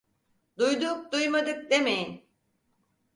Duyduk duymadık demeyin!